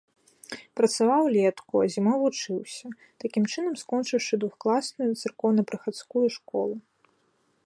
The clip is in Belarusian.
Працаваў улетку, а зімой вучыўся, такім чынам скончыўшы двухкласную царкоўнапрыходскую школу.